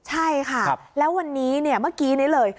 ใช่ค่ะแล้ววันนี้เนี่ยเมื่อกี้นี้เลย